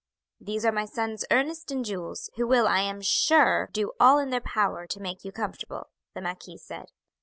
"These are my sons Ernest and Jules, who will, I am sure, do all in their power to make you comfortable," the marquis said.